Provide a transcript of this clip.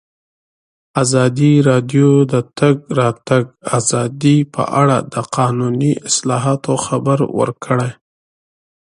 ازادي راډیو د د تګ راتګ ازادي په اړه د قانوني اصلاحاتو خبر ورکړی.